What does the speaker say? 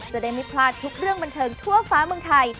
จะได้ไม่พลาดทุกเรื่องบันเทิงทั่วฟ้าเมืองไทย